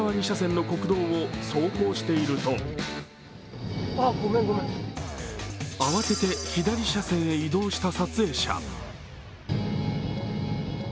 ２車線の国道を走行していると慌てて左車線へ移動した撮影者。